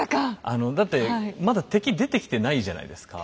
あのだってまだ敵出てきてないじゃないですか。